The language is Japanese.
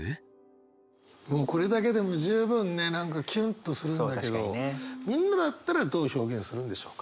もうこれだけでも十分ね何かキュンとするんだけどみんなだったらどう表現するんでしょうか？